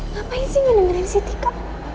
ngapain sih ngedengerin si tika